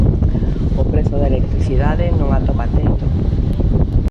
O prezo da electricidade non atopa teito.